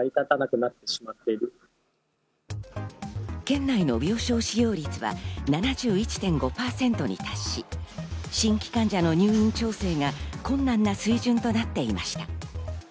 県内の病床使用率は７１．５％に達し、新規患者の入院調整が困難な水準となっていました。